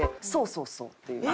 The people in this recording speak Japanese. そうそうっていう。